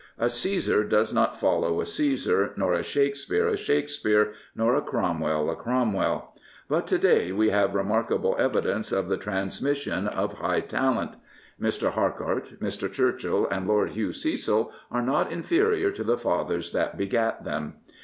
A Caesar does not follow a Caesar, nor a Shakespeare a Shakespeare, nor a Crom well a Cromwell. But to day we have remarkable evidence of the transmission of high talent. Mr. Harcourt, Mr. Churchill, and Lord Hugh Cecil are not inferior to the fathers that begat them.